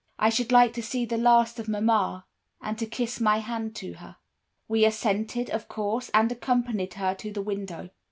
I should like to see the last of mamma, and to kiss my hand to her.' "We assented, of course, and accompanied her to the window.